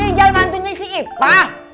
rizal mantunya si ipah